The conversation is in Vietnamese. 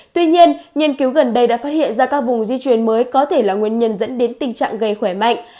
tuy nhiên nghiên cứu gần đây đã phát hiện ra các vùng di truyền mới có thể là nguyên nhân dẫn đến tình trạng gây khỏe mạnh